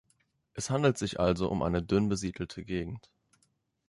Es handelt sich also um eine dünn besiedelte Gegend.